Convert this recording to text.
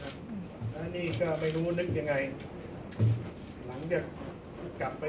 แล้วพอเราก่อเหตุเรากลับมาที่ห้องแฟนเราสงสัยว่าเรามีแผลได้ยังไง